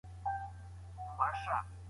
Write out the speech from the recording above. که ناکامي ومنل سي نو د سمون لاره پیدا کیږي.